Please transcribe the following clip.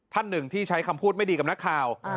ท่านหนึ่งที่ใช้คำพูดไม่ดีกับนักข่าว